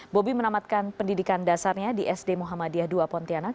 bobi menamatkan pendidikan dasarnya di sd muhammadiyah ii pontianak